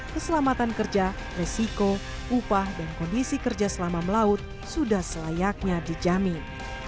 keselamatan kerja resiko upah dan kondisi kerja selama melaut sudah selayaknya dijamin